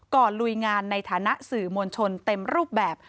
ลุยงานในฐานะสื่อมวลชนเต็มรูปแบบ